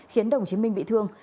khiến đồng chí minh bị thương